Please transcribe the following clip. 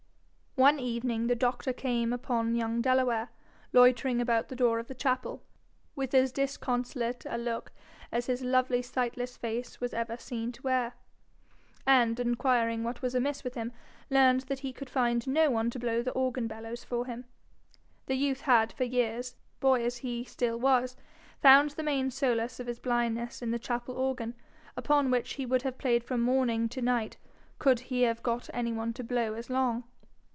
One evening the doctor came upon young Delaware, loitering about the door of the chapel, with as disconsolate a look as his lovely sightless face was ever seen to wear, and, inquiring what was amiss with him, learned that he could find no one to blow the organ bellows for him. The youth had for years, boy as he still was, found the main solace of his blindness in the chapel organ, upon which he would have played from morning to night could he have got any one to blow as long.